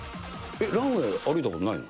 ランウエー、歩いたことないの？